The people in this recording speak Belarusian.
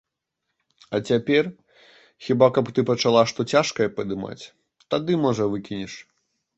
А цяпер, хіба каб ты пачала што цяжкае падымаць, тады, можа, выкінеш.